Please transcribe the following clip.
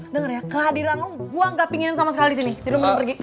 dengar ya kehadiran lo gue gak pinginkan sama sekali disini